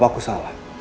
pak apaku salah